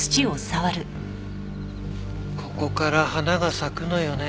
ここから花が咲くのよね。